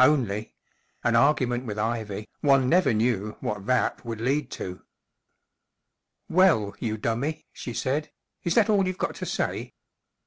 Only—an argument with Ivy* one never knew' what that would lead to* " Well, you dummy/' she said, u is that all you've got to say